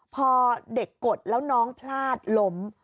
พอเด็กกดแล้วน้องพลาดล้ม